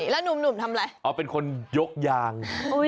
แล้วหนุ่มทำอะไรอ๋อเป็นคนยกยาง